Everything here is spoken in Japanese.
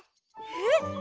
えっ？